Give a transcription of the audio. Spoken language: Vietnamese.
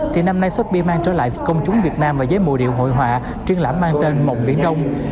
thì năm nay sotheby s mang trở lại công chúng việt nam và giấy mùa điệu hội họa truyện lãm mang tên mộng viện đông